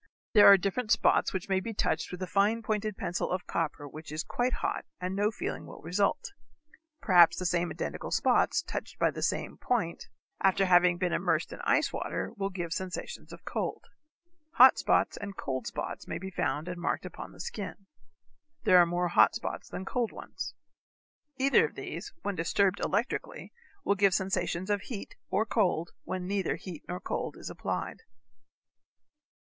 There are different spots which may be touched with a fine pointed pencil of copper which is quite hot and no feeling will result. Perhaps the same identical spots touched by the same point, after having been immersed in ice water, will give sensations of cold. Hot spots and cold spots may be found and marked upon the skin. There are more hot spots than cold ones. Either of these when disturbed electrically will give sensations of heat or cold when neither heat nor cold is applied.